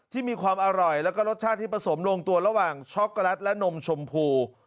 มีความอร่อยแล้วก็รสชาติที่ผสมลงตัวระหว่างช็อกโกแลตและนมชมพู